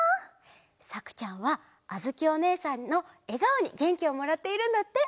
さくちゃんはあづきおねえさんのえがおにげんきをもらっているんだって！